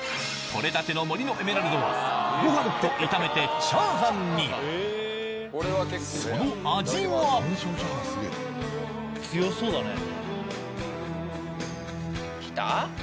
採れたての森のエメラルドをご飯と炒めてチャーハンにその味は来た？